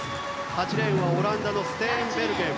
８レーンはオランダのステーンベルゲン。